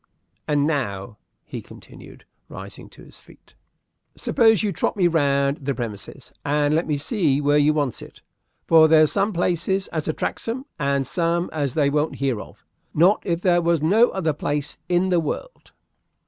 And now," he continued, rising to his feet, "suppose you trot me round the premises, and let me see where you wants it; for there's some places as attracts 'em, and some as they won't hear of not if there was no other place in the world."